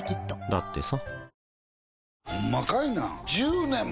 だってさ